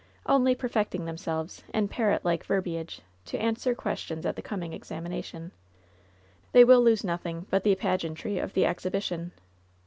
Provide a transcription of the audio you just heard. Only perfecting them selves, in parrot like verbiage, to answer questions at LOVE'S BITTEREST CUE in the coming; examination. They will lose nothing but the pageantry of the exhibition.